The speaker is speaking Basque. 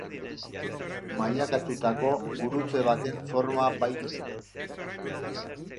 Mailakatutako gurutze baten forma baitu.